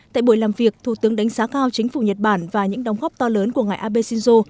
tại buổi làm việc thủ tướng đánh giá cao chính phủ nhật bản và những đóng góp to lớn của ngài abe shinzo